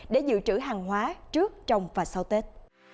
để dự trữ hàng hóa trước trong và sau tết